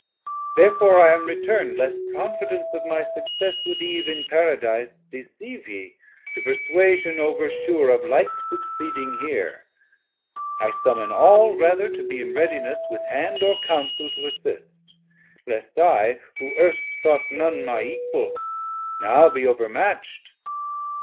Therefore I am return'd, lest confidence 140 Of my success with Eve in Paradise Deceive ye to perswasion over sure Of like succeeding here; I summon all Rather to be in readiness, with hand Or counsel to assist; lest I who erst Thought none my equal, now be over match'd.